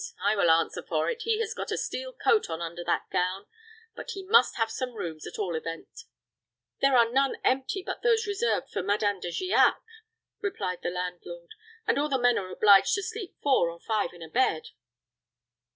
I will answer for it, he has got a steel coat on under that gown. But he must have some rooms, at all events." "There are none empty but those reserved for Madame De Giac," replied the landlord; "and all the men are obliged to sleep four or five in a bed."